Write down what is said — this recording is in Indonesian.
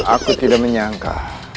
aku tidak menyangka